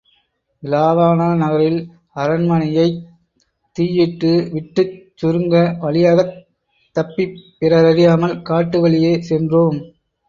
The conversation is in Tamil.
இலாவாண நகரில் அரண்மனையைத் தீயிட்டுவிட்டுச் சுருங்க வழியாகத் தப்பிப் பிறரறியாமல் காட்டு வழியே சென்றோம்.